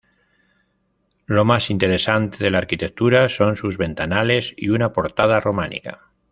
Lo más interesante de la arquitectura son sus ventanales y una portada románica.